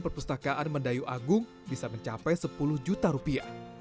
semuanya habis untuk membayar listrik air dan membayar gaji tiga karyawan